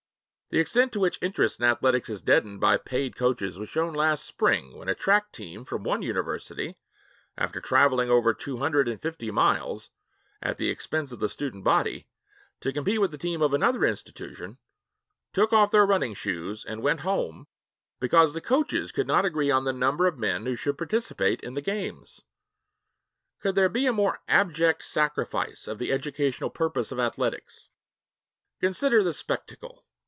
The extent to which interest in athletics is deadened by paid coaches was shown last spring, when a track team from one university, after traveling over two hundred and fifty miles at the expense of the student body to compete with the team of another institution, took off their running shoes and went home because the coaches could not agree on the number of men who should participate in the games. Could there be a more abject sacrifice of the educational purposes of athletics? Consider the spectacle.